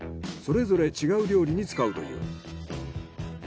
それぞれ違う料理に使うという。